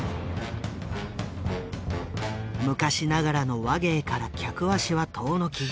昔ながらの話芸から客足は遠のき